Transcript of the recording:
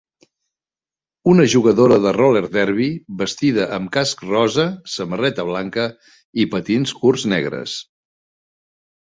Una jugadora de roller derbi vestida amb casc rosa, samarreta blanca i patins curts negres.